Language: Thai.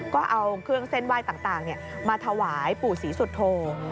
ก็เอาเครื่องเส้นไหว้ต่างมาถวายปู่ศรีสุโธ